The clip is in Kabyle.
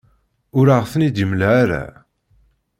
Ur aɣ-ten-id-yemla ara.